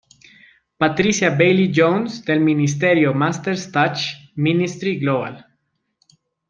Patricia Bailey-Jones, del ministerio Master’s Touch Ministry Global.